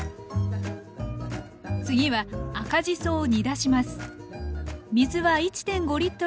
次は赤じそを煮出します